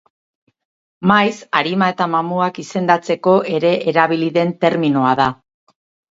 Maiz, arima eta mamuak izendatzeko ere erabili den terminoa da.